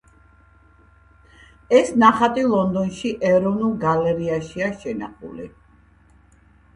ეს ნახატი ლონდონში, ეროვნულ გალერეაშია შენახული.